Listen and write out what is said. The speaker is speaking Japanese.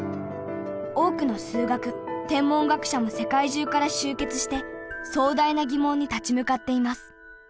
多くの数学天文学者も世界中から集結して壮大な疑問に立ち向かっています。